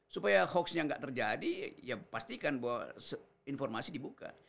supaya hoaxnya nggak terjadi ya pastikan bahwa informasi dibuka